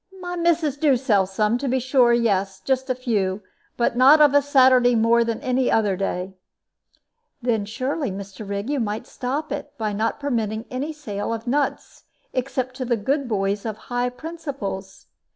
"My missus do sell some, to be sure; yes, just a few. But not of a Saturday more than any other day." "Then surely, Mr. Rigg, you might stop it, by not permitting any sale of nuts except to good boys of high principles.